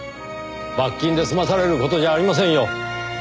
罰金で済まされる事じゃありませんよ。